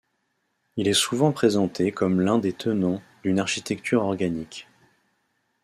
Il est souvent présenté comme l'un des tenants d'une architecture organique.